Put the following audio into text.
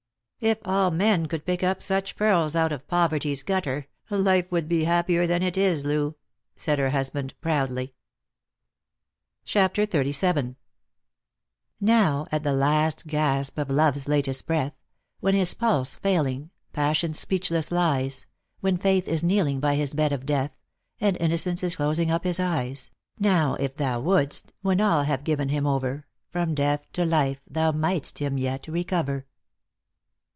"If all men could pick up such pearls out of poverty's gutter, life would be happier than it is, Loo," said her husband, proudly. 334 Lost for Love. CHAPTER XXXVn. " Now t the last gasp of Love's latest breath, When, his pulse failing, Passion speechless lies, When Faith is kneeling by his bed of death, And Innocence is closing up his eyes, Now, if thou wouldst, when all have given him over, From death to life thou mightst him yet recover."